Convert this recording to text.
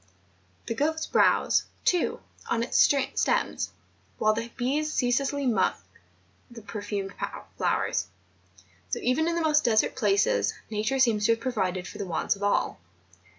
The goats browse, too, on its stems, whilst the bees ceaselessly suck the perfumed flowers. So, even in the most desert places. Nature seems to have provided for the wants of all.